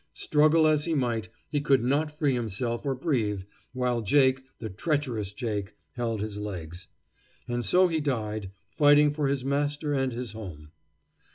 Struggle as he might, he could not free himself or breathe, while Jake, the treacherous Jake, held his legs. And so he died, fighting for his master and his home.